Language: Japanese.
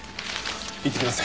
行ってきます。